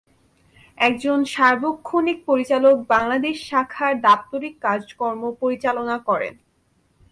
একজন সার্বক্ষণিক পরিচালক বাংলাদেশ শাখার দাপ্তরিক কাজকর্ম পরিচালনা করেন।